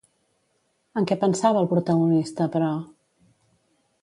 En què pensava el protagonista, però?